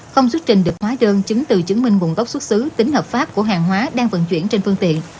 không xuất trình được hóa đơn chứng từ chứng minh nguồn gốc xuất xứ tính hợp pháp của hàng hóa đang vận chuyển trên phương tiện